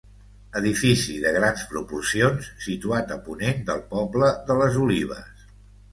Edifici de grans proporcions, situat a ponent del poble de les Olives.